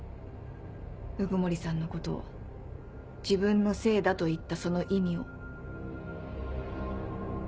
鵜久森さんのことを「自分のせいだ」と言ったその意味を。